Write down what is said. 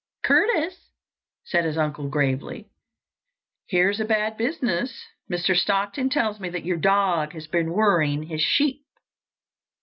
"Curtis," said his uncle gravely, "here's a bad business. Mr. Stockton tells me that your dog has been worrying his sheep."